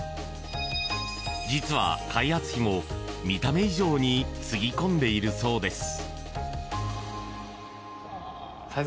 実は開発費も見た目以上に注ぎ込んでいるそうです。